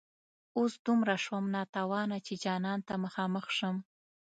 اوس دومره شوم ناتوانه چي جانان ته مخامخ شم